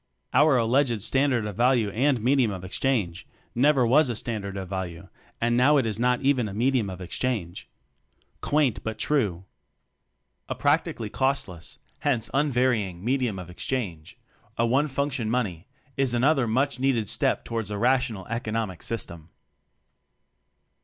Our alleged "standard of value and medium of exchange" never was a standard of value, and now it is not even a medium of exchange. Quaint, but true! A practically costless, hence un varying, "medium of exchange" a one function money is another much needed step toward a rational eco nomic system.